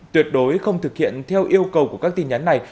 tuyệt đối không thực hiện theo yêu cầu của các tin nhắn này